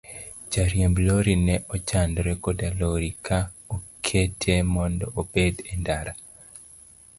Jariemb lori ne ochandore koda lori ka okete mondo obed e ndara.